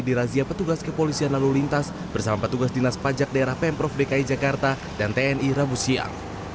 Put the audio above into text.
dirazia petugas kepolisian lalu lintas bersama petugas dinas pajak daerah pemprov dki jakarta dan tni rabu siang